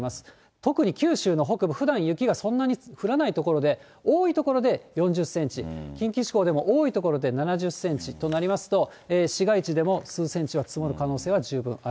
特に九州の北部、ふだん雪がそんなに降らない所で多い所で４０センチ、近畿地方でも多い所で７０センチとなりますと、市街地でも数センチは積もる可能性は十分ある。